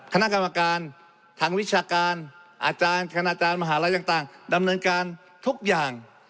คณะกรรมการทางวิชาการอาจารย์คณาจารย์มหาลัยต่างดำเนินการทุกอย่าง